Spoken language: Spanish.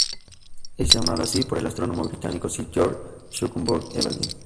Es llamado así por el astrónomo británico Sir George Shuckburgh-Evelyn.